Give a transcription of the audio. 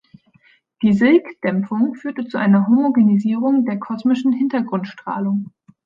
Die Silk-Dämpfung führte zu einer Homogenisierung der kosmischen Hintergrundstrahlung.